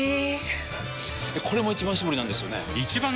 これも「一番搾り」なんですよね